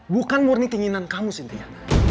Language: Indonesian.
bukan murni keinginan kamu sintia